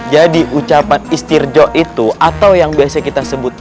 jadi ucapan istirjo itu atau yang biasa kita sebut